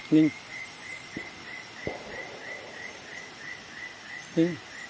นี่